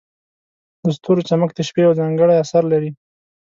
د ستورو چمک د شپې یو ځانګړی اثر لري.